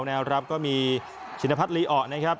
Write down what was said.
แนวรับก็มีชินพัฒนลีอ่อนะครับ